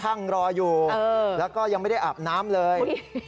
นั่งรออยู่แล้วก็ยังไม่ได้อาบน้ำเลย